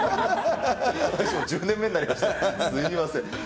１０年目になりました。